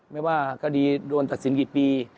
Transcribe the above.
ไม่ว่าคดีโดนตัดสินกี่ปี